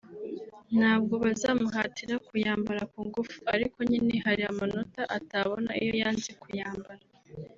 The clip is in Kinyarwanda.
ntabwo bazamuhatira kuyambara ku ngufu ariko nyine hari amanota atabona iyo yanze kuyambara